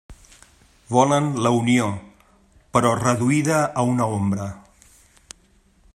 Volen la Unió; però reduïda a una ombra.